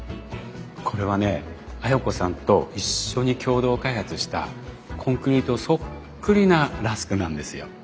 これはね綾子さんと一緒に共同開発したコンクリートそっくりなラスクなんですよ。